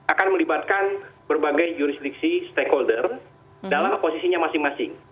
akan melibatkan berbagai jurisdiksi stakeholder dalam posisinya masing masing